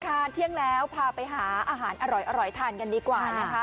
เที่ยงแล้วพาไปหาอาหารอร่อยทานกันดีกว่านะคะ